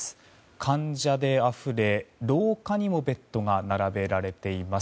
患者であふれ、廊下にもベッドが並べられています。